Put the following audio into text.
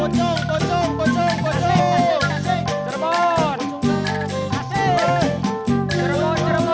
kocong tasik tasik